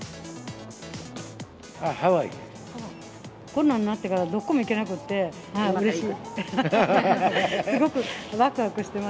コロナになってからどっこも行けなくて、うれしい。